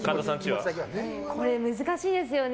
これ難しいですよね。